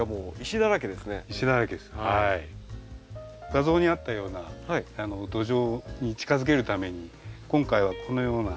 画像にあったような土壌に近づけるために今回はこのような。